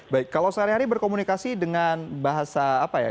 baik kalau sehari hari berkomunikasi dengan bahasa apa ya